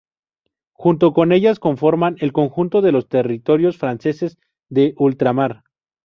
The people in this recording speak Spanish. Junto con ellas conforman el conjunto de los territorios franceses de ultramar.